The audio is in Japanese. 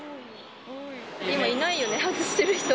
今、いないよね、外してる人。